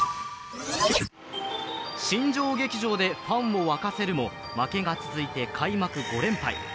新庄劇場でファンを沸かせるも負けが続いて開幕５連敗。